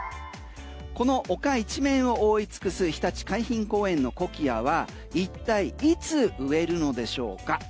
この丘一面を覆い尽くすひたち海浜公園のコキアは一体いつ植えるのでしょうか？